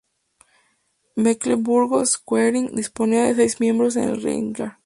Mecklemburgo-Schwerin disponía de seis miembros en el Reichstag.